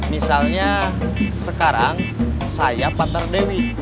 misalnya sekarang saya patar dewi